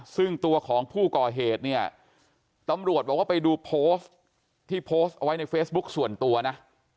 ซึ่งตัวของผู้ก่อเหตุเนี่ยตำรวจบอกว่าไปดูโพสต์ที่โพสต์เอาไว้ในเฟซบุ๊คส่วนตัวนะ